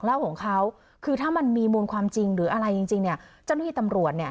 ประโมงเหตุการณ์คือว่าผมก็ขับเรือไปหลายรอบแล้ว